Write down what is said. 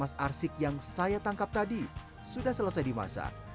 mas arsik yang saya tangkap tadi sudah selesai dimasak